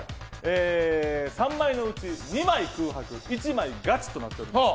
３枚のうち２枚空白１枚ガチとなっております。